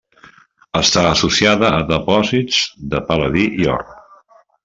Està associada a depòsits de pal·ladi i or.